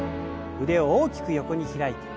腕を大きく横に開いて。